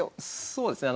そうですね